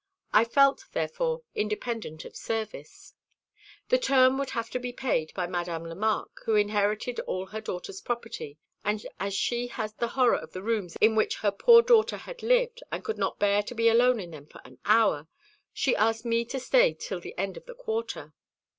I felt, therefore, independent of service. The term would have to be paid by Madame Lemarque, who inherited all her daughter's property, and as she had a horror of the rooms in which her poor daughter had lived, and could not bear to be alone in them for an hour, she asked me to stay till the end of the quarter.